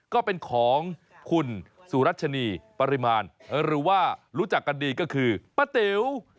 ก็เป็นของคุณสุรัชนีปริมาณหรือว่ารู้จักกันดีก็คือป้าติ๋ว